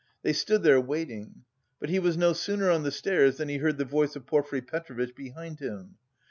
They stood there waiting. But he was no sooner on the stairs than he heard the voice of Porfiry Petrovitch behind him.